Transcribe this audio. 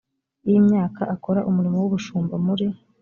y imyaka akora umurimo w ubushumba muri